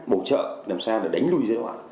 bổ trợ làm sao để đánh lùi giai đoạn